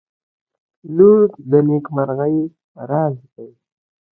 • لور د نیکمرغۍ راز دی.